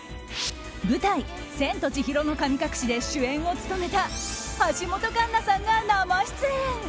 舞台「千と千尋の神隠し」で主演を務めた橋本環奈さんが生出演。